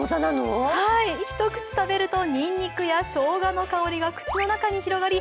一口食べるとにんにくやしょうがの香りが口の中に広がり